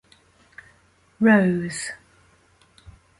Rose.